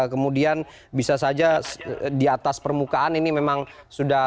kemudian bisa saja di atas permukaan ini memang sudah